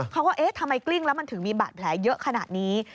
เขาก็เอ๊ะทำไมกลิ้งแล้วมันถึงมีบาดแผลเยอะขนาดนี้